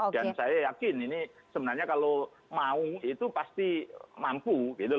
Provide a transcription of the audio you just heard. dan saya yakin ini sebenarnya kalau mau itu pasti mampu